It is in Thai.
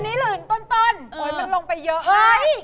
อันนี้ฤนต้นเหมาะล่องไปเยอะ